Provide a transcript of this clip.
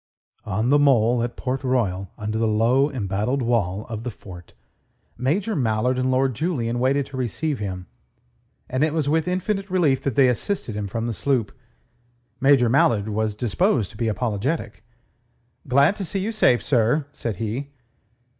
On the mole at Port Royal, under the low, embattled wall of the fort, Major Mallard and Lord Julian waited to receive him, and it was with infinite relief that they assisted him from the sloop. Major Mallard was disposed to be apologetic. "Glad to see you safe, sir," said he.